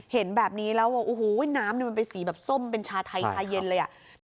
เห็นแบบนี้แล้วว่าน้ำมันไปสีส้มเป็นชาไทยชาเย็นเลย